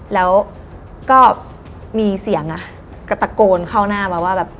แล้วก็มีเสียงก็ตะโกนเข้าหน้ามาว่าแบบ